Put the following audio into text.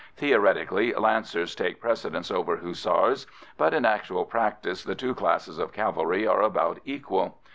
Theoretically, Lancers take precedence over Hussars, but in actual practice the two classes of cavalry are about equal.